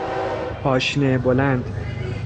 پاشنه بلند